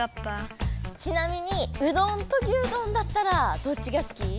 ちなみにうどんとぎゅうどんだったらどっちがすき？